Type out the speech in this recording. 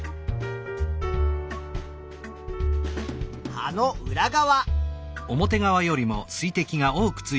葉の裏側。